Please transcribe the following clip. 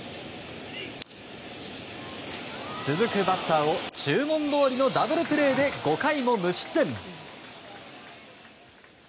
続くバッターを、注文どおりのダブルプレーで５回も無失点。